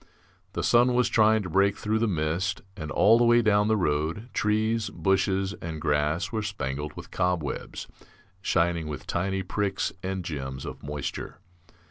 The sun was trying to break through the mist, and all the way down the road trees, bushes, and grass were spangled with cob webs, shining with tiny pricks and gems of moisture.